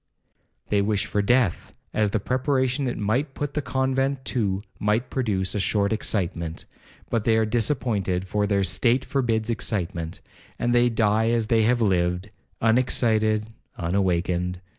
They wish for death, as the preparation it might put the convent to might produce a short excitement, but they are disappointed, for their state forbids excitement, and they die as they have lived,—unexcited, unawakened.